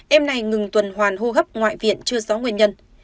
em này ngừng tuần hoàn hô hấp ngoại viện chưa rõ nguyên nhân